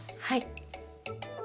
はい。